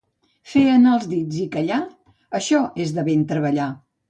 Fer anar els dits i callar, això és ben treballar.